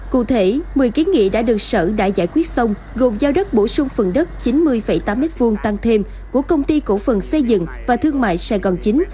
cụ thể một mươi kiến nghị đã được sở đã giải quyết xong gồm giao đất bổ sung phần đất chín mươi tám m hai tăng thêm của công ty cổ phần xây dựng và thương mại sài gòn chín